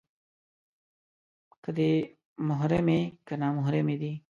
که دې محرمې، که نامحرمې دي